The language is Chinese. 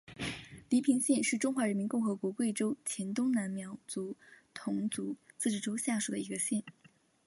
黎平县是中华人民共和国贵州省黔东南苗族侗族自治州下属的一个县。